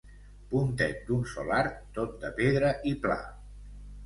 Pontet d'un sol arc tot de pedra i pla.